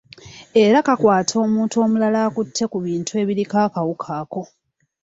Era kakwata omuntu omulala akutte ku bintu ebiriko akawuka ako.